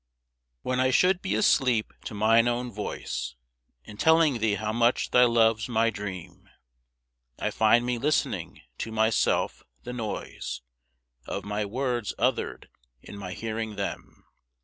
When I should be asleep to mine own voice In telling thee how much thy love's my dream, I find me listening to myself, the noise Of my words othered in my hearing them.